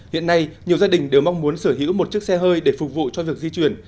hiện nay nhiều gia đình đều mong muốn sở hữu một chiếc xe hơi để phục vụ cho việc di chuyển